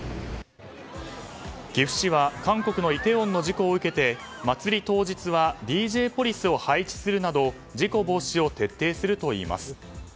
岐阜市は韓国のイテウォンの事故を受けてまつり当日はＤＪポリスを配置するなど事故防止を徹底するといいます。